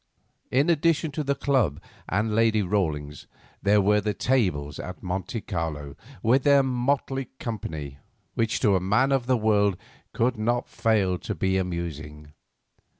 In addition to the club and Lady Rawlins there were the tables at Monte Carlo, with their motley company, which to a man of the world could not fail to be amusing.